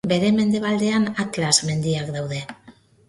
Bere mendebaldean Atlas mendiak daude.